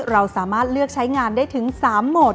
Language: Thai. เราสามารถเลือกใช้งานได้ถึง๓โหมด